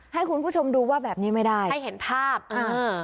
ให้คุณผู้ชมดูว่าแบบนี้ไม่ได้ให้เห็นภาพอ่า